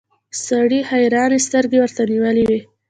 سړي حيرانې سترګې ورته نيولې وې.